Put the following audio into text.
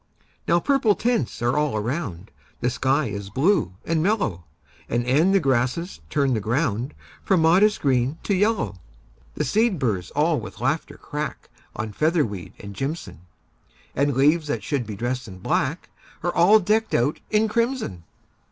Now purple tints are all around; The sky is blue and mellow; And e'en the grasses turn the ground From modest green to yellow. The seed burrs all with laughter crack On featherweed and jimson; And leaves that should be dressed in black Are all decked out in crimson.